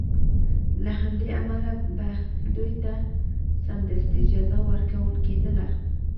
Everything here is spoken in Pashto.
له همدې امله به دوی ته سمدستي جزا ورکول کېدله.